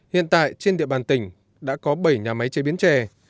hiện tại trên địa bàn tỉnh đã có bảy nhà máy chế biến chè